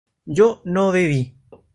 yo no bebí